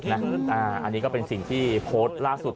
อันนี้ก็เป็นสิ่งที่โพสต์ล่าสุด